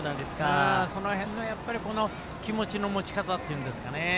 その辺の気持ちのもち方っていうんですかね